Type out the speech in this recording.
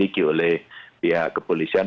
terima kasih oleh pihak kepolisian